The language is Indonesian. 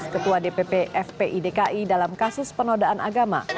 ketua dpp fpi dki dalam kasus penodaan agama